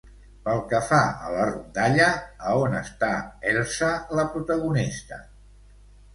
Pel que fa a la rondalla, a on està Elsa, la protagonista?